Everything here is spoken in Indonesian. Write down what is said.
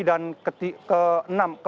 dan meskipun pihak warga diwisata